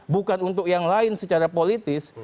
bukan untuk yang lain secara politis